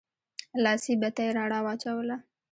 لاسي بتۍ رڼا واچوله.